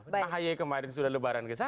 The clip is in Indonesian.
nah haye kemarin sudah lebaran